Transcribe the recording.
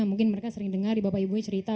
mungkin mereka sering dengar di bapak ibu cerita